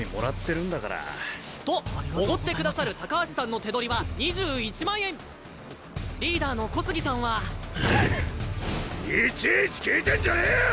お前よりとおごってくださる高橋さんの手取りは２１万円リーダーの小杉さんはいちいち聞いてんじゃねぇよ